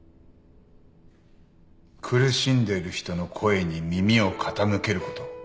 苦しんでいる人の声に耳を傾けること。